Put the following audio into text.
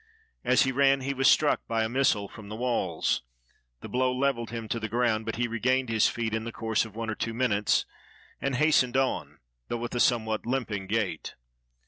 As he ran he was struck by a missile from the walls. The blow leveled him to the ground, but he regained his feet in the course of one or two minutes, and hastened on, though with a somewhat limping gait.